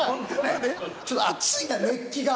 ちょっと熱いな熱気が。